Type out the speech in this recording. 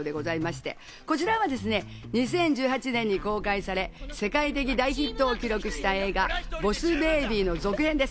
こちらは２０１８年に公開され世界的大ヒットを記録した映画『ボス・ベイビー』の続編です。